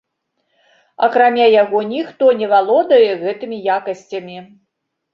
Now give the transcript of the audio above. Акрамя яго ніхто не валодае гэтымі якасцямі.